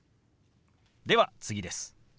では次です。